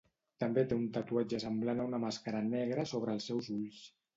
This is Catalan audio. També té un tatuatge semblant a una màscara negra sobre els seus ulls.